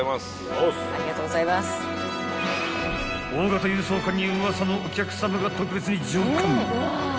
［大型輸送艦に『ウワサのお客さま』が特別に乗艦］